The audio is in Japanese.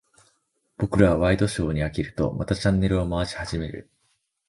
僕らはワイドショーに飽きると、またチャンネルを回し始める。